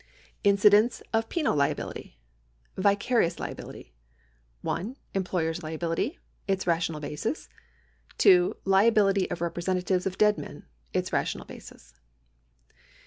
The Incidence of Penal Liability. Vicarious liability. 1. Emjiloyer's liability. Its rational basis. 2. Liability of representatives of dead men. Its rational basis.